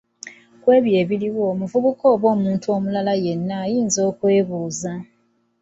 Olw'ebyo ebiriwo omuvubuka oba omuntu omulala yenna ayinza okwebuuza.